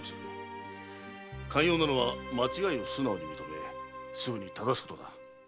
肝要なのは間違いを素直に認めすぐにただすことだ。